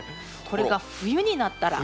これが冬になったら。